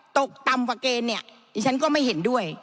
ตกต่ำกว่าเกณฑ์เนี่ยดิฉันก็ไม่เห็นด้วย